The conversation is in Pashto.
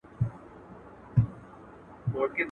نن دي د دښتونو پر لمنه رمې ولیدې.